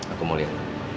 aku mau lihat